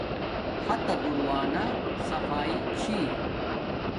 ہاتہ دور وانہ صفایݵ چھی